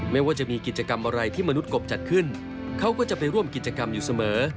ไม่ว่าจะมีกิจกรรมอะไรที่มนุษย์กบจัดขึ้นเขาก็จะไปร่วมกิจกรรมอยู่เสมอ